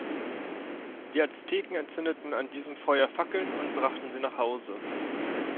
Die Azteken entzündeten an diesem Feuer Fackeln und brachten sie nach Hause.